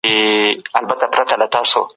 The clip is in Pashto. ایلجیک اسید د لمر د زیانونو مخنیوی کوي.